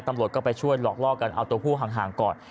ตำลดก็ไปช่วยหลอกลอกกันเอาตัวผู้ห่างห่างก่อน